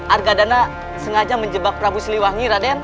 argadana sengaja menjebak prabu siliwangi raden